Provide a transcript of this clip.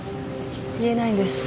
言えないんです